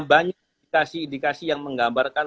banyak indikasi indikasi yang menggambarkan